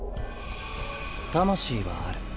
魂はある。